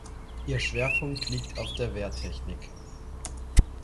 Ihr Schwerpunkt liegt auf der Wehrtechnik.